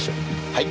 はい。